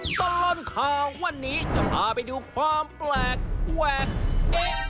ตอนร้อนค้าวันนี้จะพาไปดูความแปลกแวกเอ๊ะ